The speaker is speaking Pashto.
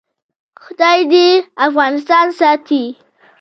خدای دې افغانستان ساتي؟